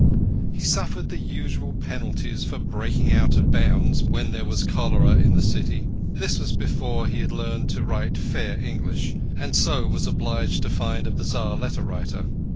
He suffered the usual penalties for breaking out of bounds when there was cholera in the city. This was before he had learned to write fair English, and so was obliged to find a bazar letter writer.